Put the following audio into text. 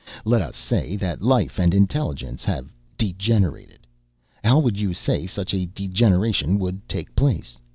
"Let us say that life and intelligence have degenerated. How would you say such a degeneration would take place?